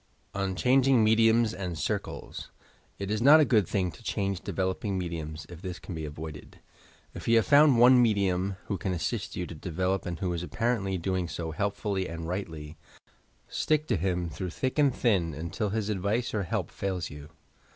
ON CHANGING UEDIUMS AND CDtCLES It is not a good thing to change developing mediums, if this can be avoided. If you have found one medium SNARES AND PITFALLS TO AVOID 315 who can assist you to develop and who is apparently doing so helpfully and rightly, stick to hiro through thick and thin, until his advice or help fails you.